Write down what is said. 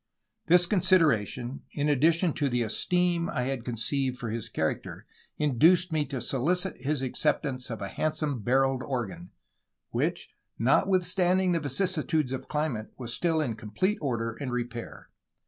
This consideration, in addi tion to the esteem I had conceived for his character, induced me to solicit his acceptance of a handsome barrelled organ, which, notwithstanding the vicissitudes of climate, was still in complete order and repair.